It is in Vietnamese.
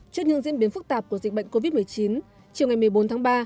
trước những diễn biến phức tạp của dịch bệnh covid một mươi chín chiều ngày một mươi bốn tháng ba